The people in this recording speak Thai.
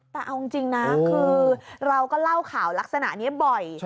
แต่เอาจริงนะคือเราก็เล่าข่าวลักษณะนี้บ่อย